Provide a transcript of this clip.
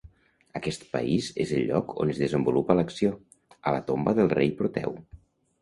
Aquest país és el lloc on es desenvolupa l'acció, a la tomba del rei Proteu.